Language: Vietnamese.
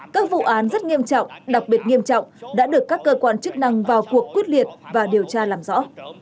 các vụ án rất nghiêm trọng đặc biệt nghiêm trọng đã được các cơ quan chức năng vào cuộc quyết liệt và điều tra làm rõ